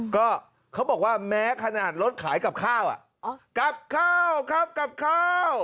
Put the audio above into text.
ก็เขาบอกว่าแม้ขนาดรถขายกับข้าวกลับข้าวครับกลับข้าว